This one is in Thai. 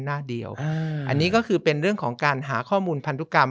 หน้าเดียวอันนี้ก็คือเป็นเรื่องของการหาข้อมูลพันธุกรรม